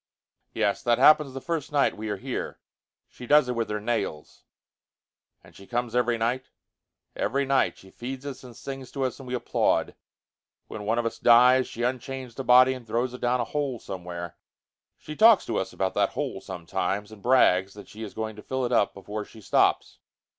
"Yes. That happens the first night we are here. She does it with her nails." "And she comes every night?" "Every night. She feeds us and sings to us and we applaud. When one of us dies, she unchains the body, and throws it down a hole somewhere. She talks to us about that hole sometimes and brags that she is going to fill it up before she stops."